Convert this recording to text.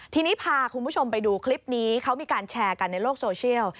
ทีนี้พาคุณผู้ชมไปดูคลิปนี้เขามีการแชร์กันในโลกโซเชียล